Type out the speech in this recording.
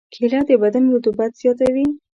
کېله د بدن رطوبت زیاتوي.